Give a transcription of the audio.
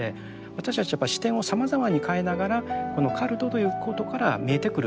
私たちは視点をさまざまに変えながらこのカルトということから見えてくる問題をですね